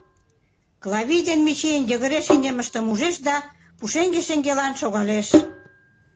Клавий ден Мичийын йыгыре шинчымыштым ужеш да пушеҥге шеҥгелан шогалеш.